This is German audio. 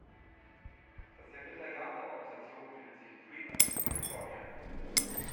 Das Sekretariat der Organisation befindet sich in Fremont, Kalifornien.